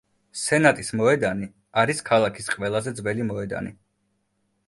სენატის მოედანი არის ქალაქის ყველაზე ძელი მოედანი.